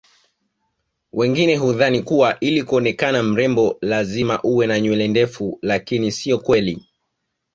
wengine hudhani kuwa ili kuonekana mrembo lazima uwe na nywele ndefu lakini sio kweli